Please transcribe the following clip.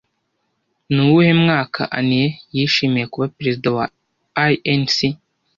Ni uwuhe mwaka Annie yishimiye kuba Perezida wa INC